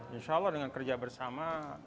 insya allah dengan kerja bersama